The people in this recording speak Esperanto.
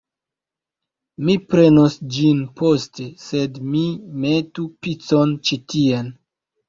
Mi prenos ĝin poste, sed mi metu picon ĉi tien